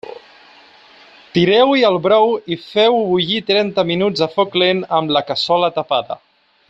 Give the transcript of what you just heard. Tireu-hi el brou i feu-ho bullir trenta minuts a foc lent amb la cassola tapada.